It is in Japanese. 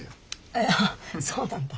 ああそうなんだ。